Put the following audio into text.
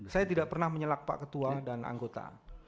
saya tidak pernah menyelak pak ketua dan anggota